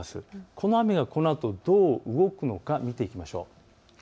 この雨が、このあとどう動くのか見ていきましょう。